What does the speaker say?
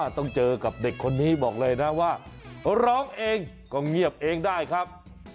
ต้องเจอกับเด็กคนนี้บอกเลยนะว่าร้องเองก็เงียบเองได้ครับ